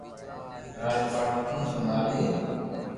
راج پاٺ ڪوڻ سمڀالئي